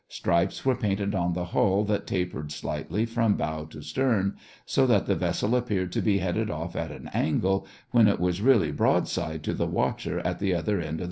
Stripes were painted on the hull that tapered slightly, from bow to stern, so that the vessel appeared to be headed off at an angle, when it was really broadside to the watcher at the other end of the periscope.